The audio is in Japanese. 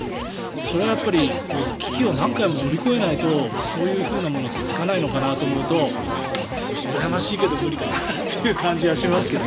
それは危機を何回も乗り越えないとそういうものってつかないのかなと思うとうらやましいけど無理かなという感じはしますけど。